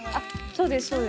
そうですそうです。